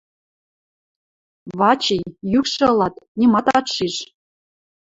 Вачи, йӱкшӹ ылат, нимат ат шиж.